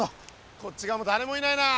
こっち側も誰もいないなあ。